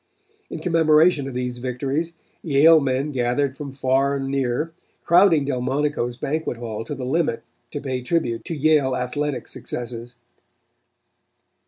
In commemoration of these victories, Yale men gathered from far and near, crowding Delmonico's banquet hall to the limit to pay tribute to Yale athletic successes.